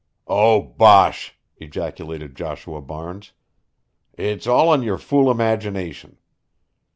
"Oh, bosh!" ejaculated Joshua Barnes. "It's all in your fool imagination.